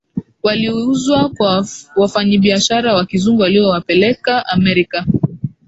Waliuzwa kwa wafanyabiashara Wa kizungu waliowapeleka Amerika